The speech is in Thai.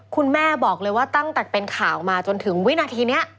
คุณแม่บอกเลยว่าตั้งแต่เป็นข่าวมาจนถึงวินาทีนี้